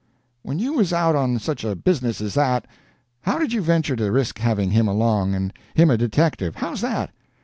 "When you was out on such a business as that, how did you venture to risk having him along and him a detective? How's that?"